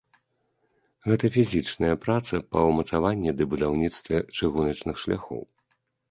Гэта фізічная праца па ўмацаванні ды будаўніцтве чыгуначных шляхоў.